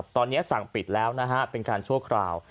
ตอนนี้สั่งปิดแล้วนะฮะเป็นการชั่วคราว